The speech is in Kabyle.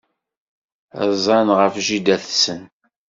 Rzan ɣef jida-tsen.